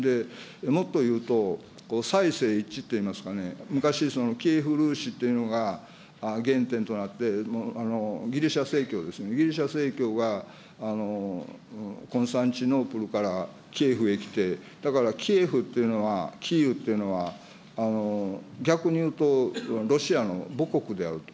もっと言うと、祭政一致っていいますかね、昔、っていうのが、原点となって、ギリシャせい教ですね、ギリシャ正教が、コンスタンチノープルからキエフへ来て、だからキエフっていうのは、キーウっていうのは、逆にいうとロシアの母国であると。